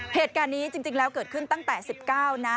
เหตุการณ์นี้จริงแล้วเกิดขึ้นตั้งแต่๑๙นะ